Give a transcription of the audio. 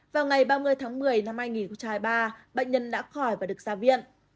vào ngày ba mươi tháng một mươi năm hai nghìn ba bệnh nhân đã khỏi và được ra viện